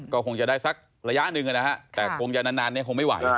ก็คงจะได้สักระยะหนึ่งนะฮะแต่คงจะนานเนี่ยคงไม่ไหว